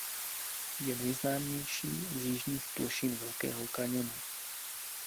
Je nejznámější z jižních plošin Velkého kaňonu.